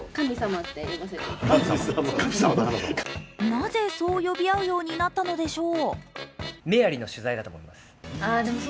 なぜ、そう呼び合うようになったのでしょう？